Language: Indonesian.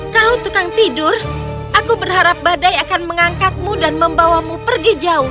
kau tukang tidur aku berharap badai akan mengangkatmu dan membawamu pergi jauh